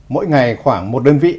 mỗi ngày khoảng một đơn vị